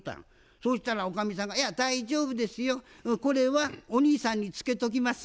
そしたらおかみさんが「いや大丈夫ですよ。これはお兄さんにツケときます」